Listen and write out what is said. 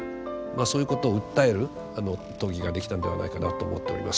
そういうことを訴える討議ができたんではないかなと思っております。